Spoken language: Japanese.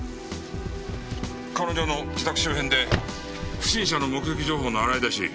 彼女の自宅周辺で不審者の目撃情報の洗い出し